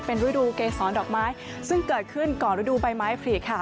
เป็นฤดูเกษรดอกไม้ซึ่งเกิดขึ้นก่อนฤดูใบไม้ผลีกค่ะ